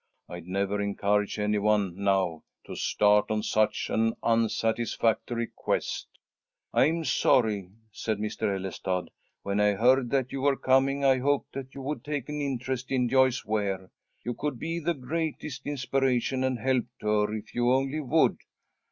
"I'd never encourage any one, now, to start on such an unsatisfactory quest." "I'm sorry," said Mr. Ellestad. "When I heard that you were coming, I hoped that you would take an interest in Joyce Ware. You could be the greatest inspiration and help to her, if you only would."